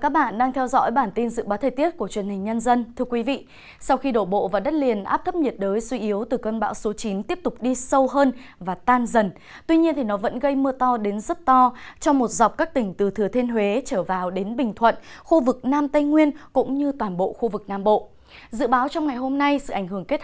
các bạn hãy đăng ký kênh để ủng hộ kênh của chúng mình nhé